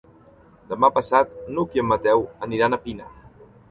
Demà passat n'Hug i en Mateu aniran a Pina.